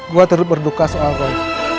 gue terus berduka soal bayi